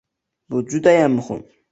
Bu judayam muhim.